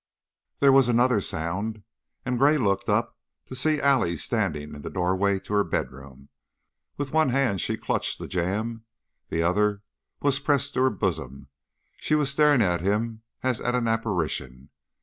There was another sound and Gray looked up to see Allie standing in the doorway to her bedroom; with one hand she clutched the jamb, the other was pressed to her bosom; she was staring at him as at an apparition.